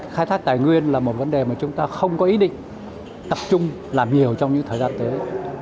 khai thác tài nguyên là một vấn đề mà chúng ta không có ý định tập trung làm nhiều trong những thời gian tới